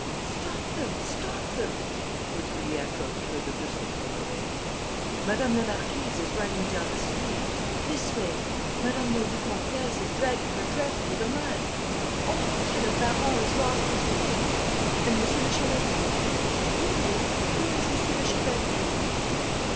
"Stop them! Stop them!" was re echoed through the Rue St. Honoré. "Madame la Marquise is running down the street! This way! Madame la Vicomtesse is dragging her dress through the mud! Oh! M. le Baron has lost his wig! and M. le Chevalier?... William, where is M. le Chevalier?"